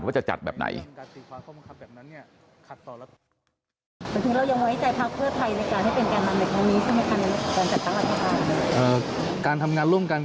ว่าจะจัดแบบไหน